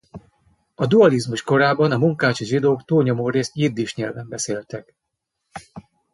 A dualizmus korában a munkácsi zsidók túlnyomórészt jiddis nyelven beszéltek.